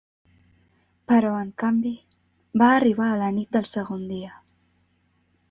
Però, en canvi, va arribar a la nit del segon dia.